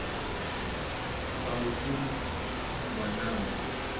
ukahukumu mwanangu